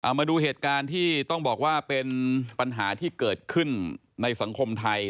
มาดูเหตุการณ์ที่ต้องบอกว่าเป็นปัญหาที่เกิดขึ้นในสังคมไทย